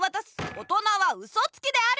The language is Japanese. おとなはウソつきである！